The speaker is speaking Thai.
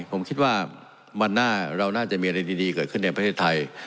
ผมคิดว่าวันหน้าเราน่าจะมีอะไรดีเกิดขึ้นในประเทศไทย